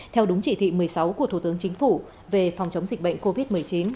theo đúng chỉ thị một mươi sáu của thủ tướng chính phủ về phòng chống dịch bệnh covid một mươi chín